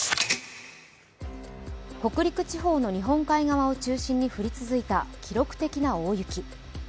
北陸地方の日本海側を中心に降り続いた記録的な大雪。